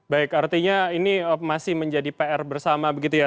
baik artinya ini masih menjadi pr bersama begitu ya